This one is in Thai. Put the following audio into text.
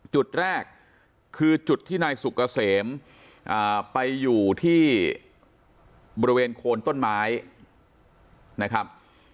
จุดแรกคือจุดที่นายสุกเกษมไปอยู่ที่บริเวณโคนต้นไม้นะครับ